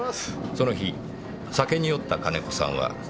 その日酒に酔った金子さんは店を出る時。